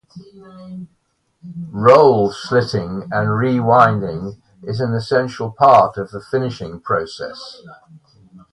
Roll slitting and rewinding is an essential part of the finishing process.